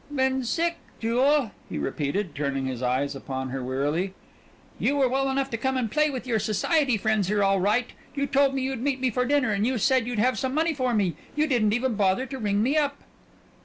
"Been sick, Jewel," he repeated, turning his eyes upon her wearily. "You're well enough to come and play with your society friends here all right. You told me you'd meet me for dinner, and you said you'd have some money for me. You didn't even bother to ring me up."